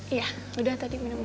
iya udah tadi minum